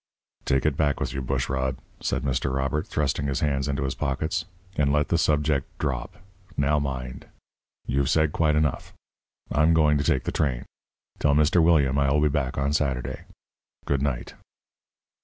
"Take it back with you, Bushrod," said Mr. Robert, thrusting his hands into his pockets. "And let the subject drop now mind! You've said quite enough. I'm going to take the train. Tell Mr. William I will be back on Saturday. Good night."